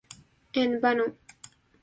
En vano.